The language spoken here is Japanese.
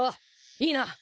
いいな？